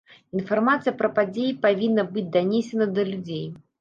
Інфармацыя пра падзеі павінна быць данесена да людзей.